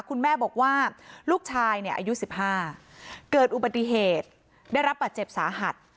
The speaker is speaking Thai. คุณแม่บอกว่าลูกชายเนี่ยอายุ๑๕เกิดอุบัติเหตุได้รับบาดเจ็บสาหัส